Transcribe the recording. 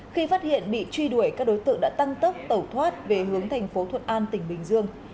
khi phát hiện bị truy đuổi các đối tượng đã tăng tốc tẩu thoát về hướng thành phố thuận an tỉnh bình dương